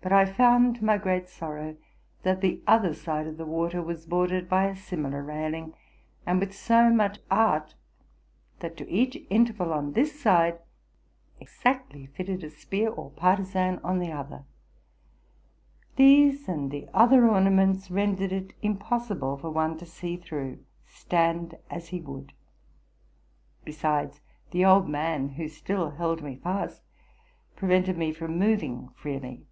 But I found, to my great sorrow, that the other side of the water was bordered by a similar rail ing, and with so much art, that to each interval on this side exactly fitted a spear or partisan on the other. These, and the other ornaments, rendered it impossible for one to see through, stand as he would. Besides, the old man, who still held me fast, prevented me from moving freely.